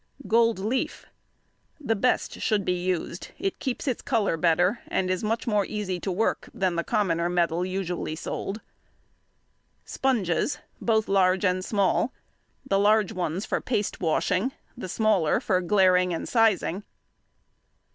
Gold leaf. The best should be used, it keeps its colour better, and is much more easy to work than the commoner metal usually sold. Sponges, both large and small—the large ones for paste washing, the smaller for glairing and sizing.